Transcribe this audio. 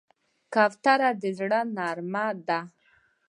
کوتره د زړه نرمه ده.